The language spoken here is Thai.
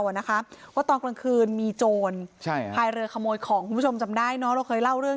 ว่าตอนกลางคืนมีโจร